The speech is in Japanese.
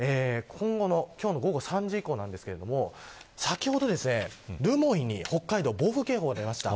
今日の午後３時ごろなんですけど先ほど留萌に北海道、暴風警報が出ました。